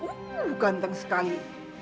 uh ganteng sekali